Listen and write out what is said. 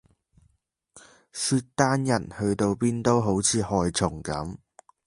契丹人去到邊都好似害蟲咁